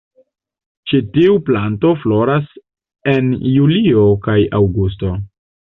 Ĉi tiu planto floras en julio kaj aŭgusto.